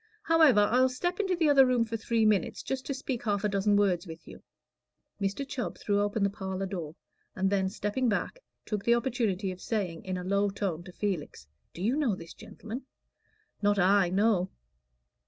However, I'll step into the other room for three minutes, just to speak half a dozen words with you." Mr. Chubb threw open the parlor door, and then stepping back, took the opportunity of saying, in a low tone, to Felix, "Do you know this gentleman?" "Not I; no."